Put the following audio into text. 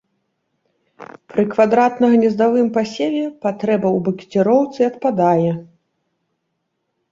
Пры квадратна-гнездавым пасеве патрэба ў букеціроўцы адпадае.